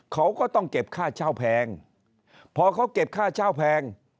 เขาก็ต้องเก็บค่าเช่าแพงพอเขาเก็บค่าเช่าแพง